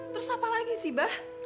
terus apa lagi sih bah